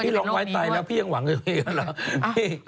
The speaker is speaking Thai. ยังหวังไอ้เฟลี่กันหรอ